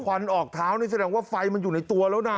วันออกเท้านี่แสดงว่าไฟมันอยู่ในตัวแล้วนะ